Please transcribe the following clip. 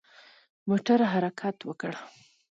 موټر حرکت وکړ.